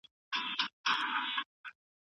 .نه هغه غر، نه دامانه سته زه به چیري ځمه